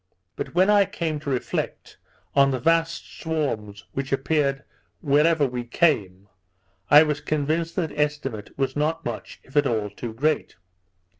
But when I came to reflect on the vast swarms which appeared wherever we came, I was convinced that this estimate was not much, if at all, too great.